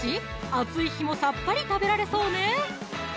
暑い日もさっぱり食べられそうね